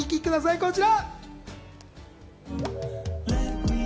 こちら。